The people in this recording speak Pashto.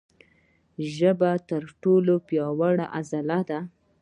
ژبه تر ټولو پیاوړې عضله ده.